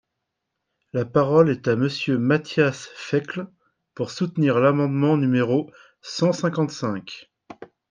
La parole est à Monsieur Matthias Fekl, pour soutenir l’amendement numéro cent cinquante-cinq.